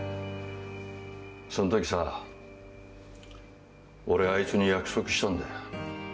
そのときさ俺あいつに約束したんだよ。